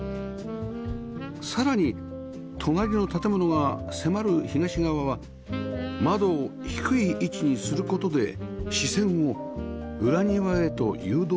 さらに隣の建物が迫る東側は窓を低い位置にする事で視線を裏庭へと誘導します